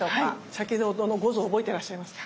先ほどの五臓覚えていらっしゃいますか？